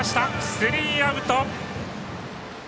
スリーアウト。